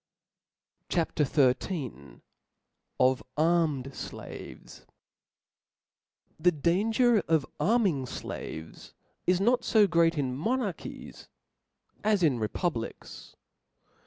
CHAP. XIII. Of armed Sla^oes. TH £ danger of arming flaves is not fo great in.monarchies as in republics.